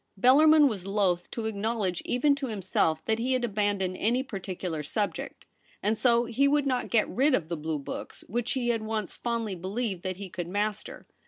Bellarmin was loath to acknowledge even to himself that he had abandoned any particular subject, and so he would not get rid of the blue books which he had once fondly believed that he could master.